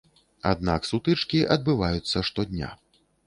Аднак сутычкі адбываюцца штодня.